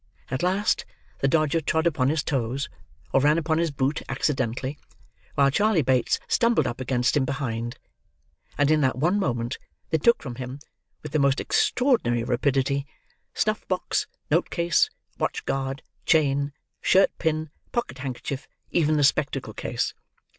At last, the Dodger trod upon his toes, or ran upon his boot accidently, while Charley Bates stumbled up against him behind; and in that one moment they took from him, with the most extraordinary rapidity, snuff box, note case, watch guard, chain, shirt pin, pocket handkerchief, even the spectacle case.